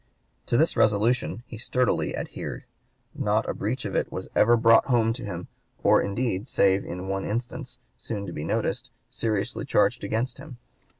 To this resolution he sturdily adhered. Not a breach of it was ever brought home to him, or indeed save in one instance soon to be noticed seriously charged against him.